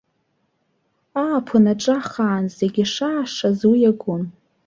Ааԥын аҿа хаан, зегьы ишаашаз уи иагон.